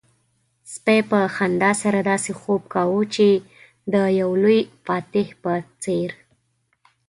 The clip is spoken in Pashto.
سپي په خندا سره داسې خوب کاوه چې د يو لوی فاتح په څېر.